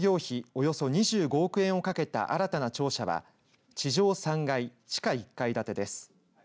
およそ２５億円をかけた新たな庁舎は地上３階、地下１階建てです。